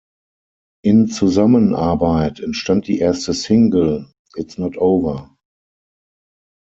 In Zusammenarbeit entstand die erste Single „It’s not Over“.